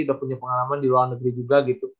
udah punya pengalaman di luar negeri juga gitu